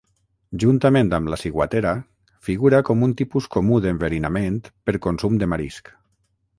Juntament amb la ciguatera, figura com un tipus comú d'enverinament per consum de marisc.